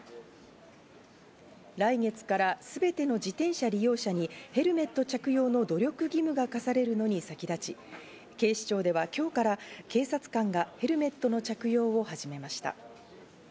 来月からすべての自転車利用者にヘルメット着用の努力義務が課されるのに先立ち、警視庁では今日から警察官がヘルメットの着用を始めました。